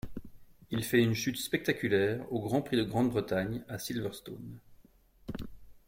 Il fait une chute spectaculaire au Grand Prix de Grande-Bretagne à Silverstone.